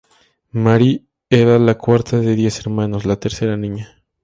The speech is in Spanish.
Mary era la cuarta de diez hermanos, y la tercera niña.